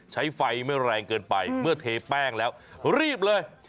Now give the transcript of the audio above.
ใช้ไฟไม่แรงเกินไปเมื่อเทแป้งแล้วรีบเลย